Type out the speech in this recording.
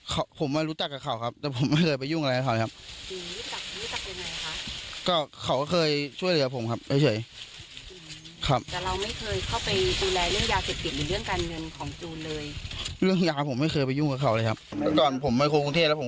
ตอนผมมาโครงกรุงเทศแล้วผมก็เล่นรอดหมาแล้วเขาก็มาฝากผมที่นี่ครับ